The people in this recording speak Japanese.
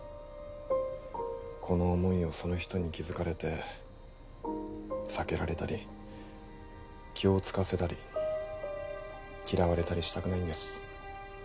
この思いをその人に気づかれて避けられたり気を使わせたり嫌われたりしたくないんです